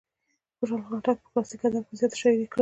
خوشال خان خټک په کلاسیک ادب کې زیاته شاعري کړې.